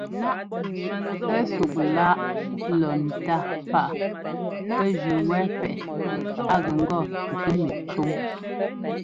Sɛ́súk-láꞌ lɔ ńtá páꞌa pɛ́ jʉ́ wɛ́ pɛ́ꞌɛ a gɛ ŋgɔ ŋki mík cúŋ.